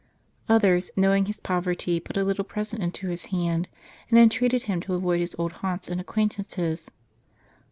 Others, knowing his poverty, put a little present into his hand, and entreated him to avoid his old haunts and acquaintances.